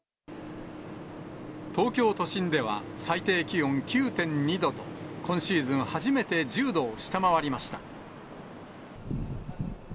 東京都心では最低気温９．２度と、今シーズン初めて１０度を下回りました。